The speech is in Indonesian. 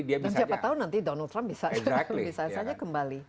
dan siapa tahu nanti donald trump bisa saja kembali